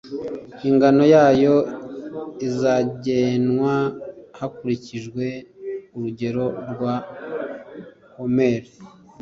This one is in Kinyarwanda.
ingano yayo izagenwa hakurikijwe urugero rwa homeri